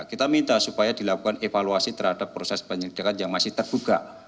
kita minta supaya dilakukan evaluasi terhadap proses penyelidikan yang masih terbuka